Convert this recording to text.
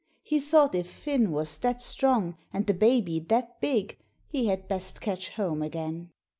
He thought if Finn was that strong and the baby that big, he had best catch home again.